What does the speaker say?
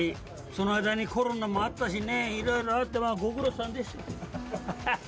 その間にコロナもあったしね、いろいろあって、ご苦労さんでした。